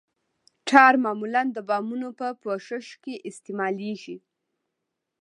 ټار معمولاً د بامونو په پوښښ کې استعمالیږي